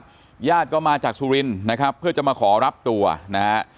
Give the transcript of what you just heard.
ญาติญาติก็มาจากสุรินทร์นะครับเพื่อจะมาขอรับตัวนะฮะ